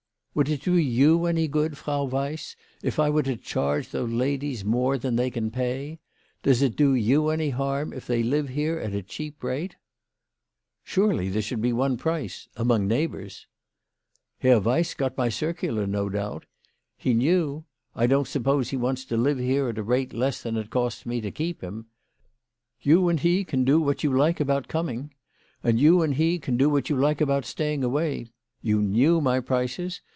" Would it do you any good, Frau Weiss, if I were to charge those ladies more than they can pay ? Does it do you any harm if they live here at a cheap rate ?"" Surely there should be one price among neigh bours !"" Herr Weiss got my circular, no doubt. He knew. I don't suppose he wants to live here at a rate less than it costs me to keep him. You and he can do what you like about coming. And you and he can do what you like about staying away. You knew my prices.